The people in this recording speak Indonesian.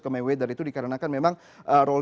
ke mayweather itu dikarenakan memang role